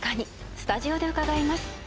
スタジオで伺います。